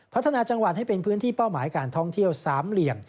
พัฒนาจังหวัดให้เป็นพื้นที่เป้าหมายการท่องเที่ยวสามเหลี่ยม